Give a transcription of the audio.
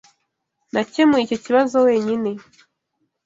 Nakemuye icyo kibazo wenyine.